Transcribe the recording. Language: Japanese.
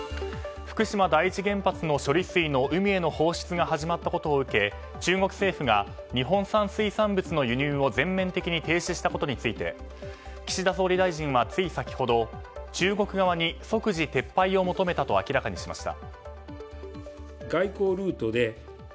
福島第一原発の処理水の海への放出が始まったことを受け中国政府が日本産水産物の輸入を全面的に停止したことについて岸田総理大臣はつい先ほど中国側に即時撤廃を求めたと明らかにしました。